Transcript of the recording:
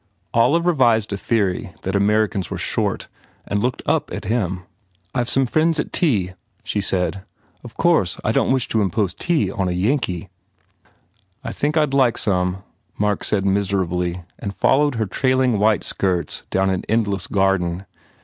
Olive revised a theory that Amer icans were short and looked up at him. "I ve some friends at tea, n she said, "Of 29 THE FAIR REWARDS course, I don t wish to impose tea on a Yankee." "I think I d like some," Mark said miserably and followed her trailing, white skirts down an endless garden.